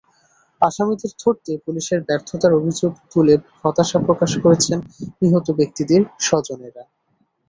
আসামিদের ধরতে পুলিশের ব্যর্থতার অভিযোগ তুলে হতাশা প্রকাশ করেছেন নিহত ব্যক্তিদের স্বজনেরা।